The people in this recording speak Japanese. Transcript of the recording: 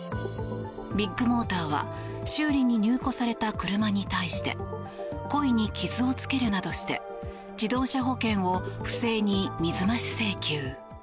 ビッグモーターは修理に入庫された車に対して故意に傷をつけるなどして自動車保険を不正に水増し請求。